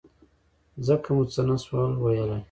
ځکه مو څه نه شول ویلای.